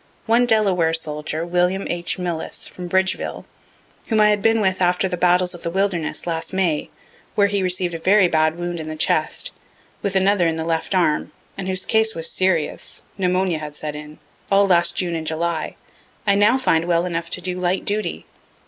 One Delaware soldier, William H. Millis, from Bridgeville, whom I had been with after the battles of the Wilderness, last May, where he receiv'd a very bad wound in the chest, with another in the left arm, and whose case was serious (pneumonia had set in) all last June and July, I now find well enough to do light duty.